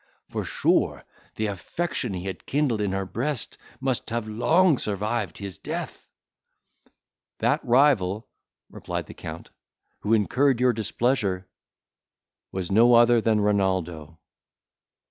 for, sure, the affection he had kindled in her breast must have long survived his death," "That rival," replied the Count, "who incurred your displeasure, was no other than Renaldo."